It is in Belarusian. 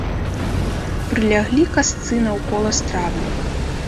Прыляглі касцы наўкола стравы.